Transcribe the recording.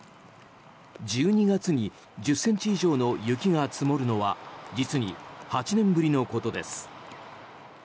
１２月に１０ｃｍ以上の雪が積もるのは実に８年ぶりのことです。